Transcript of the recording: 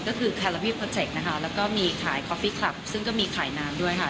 ก็คือนะคะแล้วก็มีขายซึ่งก็มีขายน้ำด้วยค่ะ